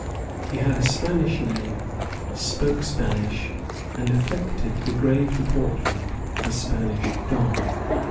He had a Spanish name, spoke Spanish, and affected the grave deportment of a Spanish don.